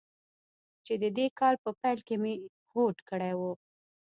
چې د دې کال په پیل کې مې هوډ کړی و.